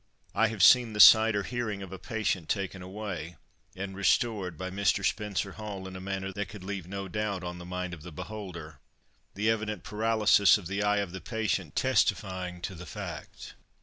I have seen the sight or hearing of a patient taken away, and restored by Mr. Spencer Hall in a manner that could leave no doubt on the mind of the beholder—the evident paralysis of the eye of the patient testifying to the fact.